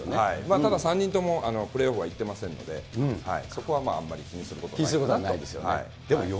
ただ３人ともプレーオフは行ってませんので、そこはまあ、気にすることはないですよね。